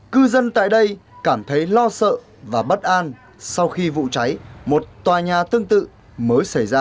cư dân tại đây cảm thấy lo sợ và bất an sau khi vụ cháy một tòa nhà tương tự mới xảy ra